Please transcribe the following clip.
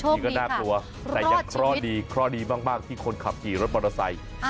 ดูอีกทีก็น่ากลัวแต่ยังเคราะห์ดีเคราะห์ดีมากที่คนขับกี่รถบริษัท